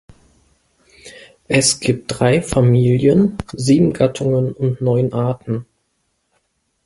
Es gibt drei Familien, sieben Gattungen und neun Arten.